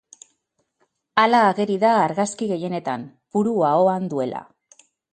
Hala ageri da argazki gehienetan, purua ahoan duela.